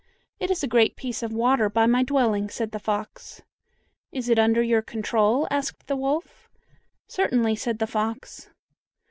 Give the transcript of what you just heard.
"It is a great piece of water by my dwelling," said the fox. "Is it under your control?" asked the wolf. "Certainly," said the fox.